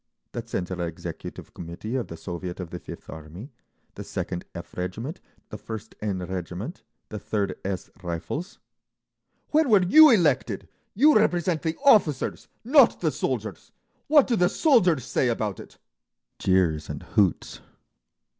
"The Central Executive Committee of the Soviet of the Fifth Army, the Second F— regiment, the First N— Regiment, the Third S— Rifles…." "When were you elected? You represent the officers, not the soldiers! What do the soldiers say about it?" Jeers and hoots.